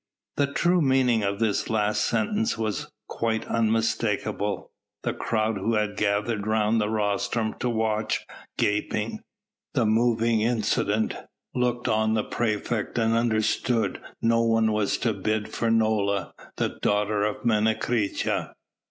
The true meaning of this last sentence was quite unmistakable. The crowd who had gathered round the rostrum to watch, gaping, the moving incident, looked on the praefect and understood no one was to bid for Nola, the daughter of Menecreta.